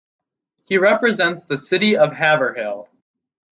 He represents the city of Haverhill.